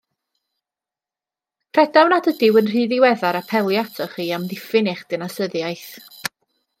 Credaf nad ydyw yn rhy ddiweddar apelio atoch chi i amddiffyn eich dinasyddiaeth.